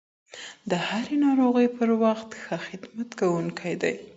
د هري ناروغۍ پر وخت ښه خدمت کوونکې ده